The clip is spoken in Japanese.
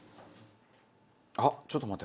あっちょっと待って。